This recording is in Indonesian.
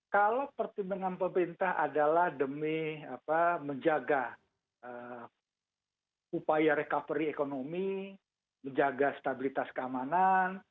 kalau pertimbangan pemerintah adalah demi menjaga upaya recovery ekonomi menjaga stabilitas keamanan